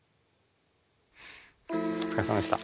お疲れさまでした。